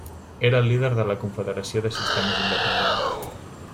Era el Líder de la Confederació de Sistemes Independents.